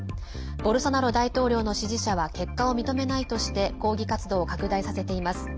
ボルソナロ大統領の支持者は結果を認めないとして抗議活動を拡大させています。